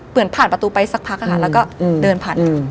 เปื้อนผ่านประตูไปสักพักแล้วก็เดินผ่าน